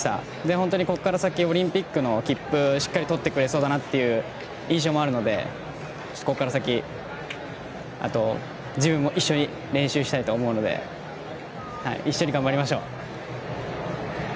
本当に、ここから先オリンピックの切符しっかり、とってくれそうだなという印象もあるのでここから先、自分も一緒に練習したいと思うので一緒に頑張りましょう！